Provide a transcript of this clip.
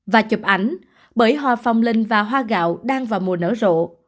và chụp ảnh bởi hoa phong linh và hoa gạo đang vào mùa nở rộ